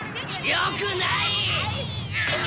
よくない！